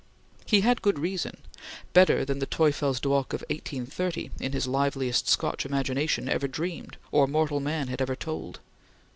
He had good reason better than the Teufelsdrockh of 1830, in his liveliest Scotch imagination, ever dreamed, or mortal man had ever told.